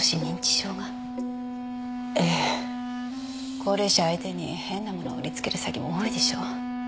高齢者相手に変なものを売りつける詐欺も多いでしょ。